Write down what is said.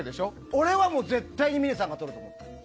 俺は絶対に峰さんがとると思う。